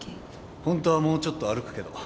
ほんとはもうちょっと歩くけど。